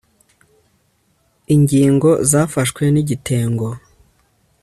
Ingingo zafashwe n igitengo